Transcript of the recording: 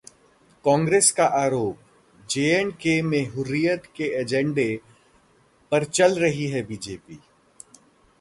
कांग्रेस का आरोप, J-K में हुर्रियत के एजेंडे पर चल रही है बीजेपी